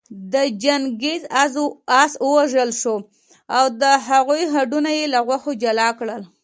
د چنګېز آس ووژل شو او د هغه هډونه يې له غوښو جلا کړل